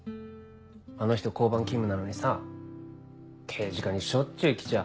あの人交番勤務なのにさ刑事課にしょっちゅう来ちゃ